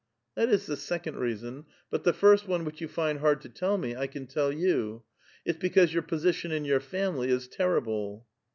" '^Thiit is the second reason ; but the first one which you find hard to tell me, 1 can tell you ; it's because your posi tion in vuur family is terrible."